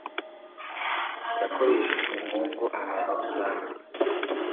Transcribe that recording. yakoreshejwe mu ngo ahantu rusange